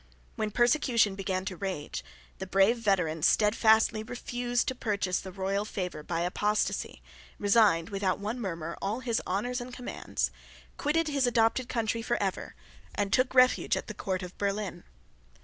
When persecution began to rage, the brave veteran steadfastly refused to purchase the royal favour by apostasy, resigned, without one murmur, all his honours and commands, quitted his adopted country for ever, and took refuge at the court of Berlin.